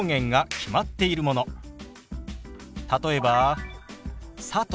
例えば「佐藤」。